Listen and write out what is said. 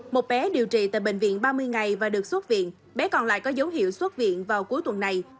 một bé điều trị tại bệnh viện ba mươi ngày và được xuất viện bé còn lại có dấu hiệu xuất viện vào cuối tuần này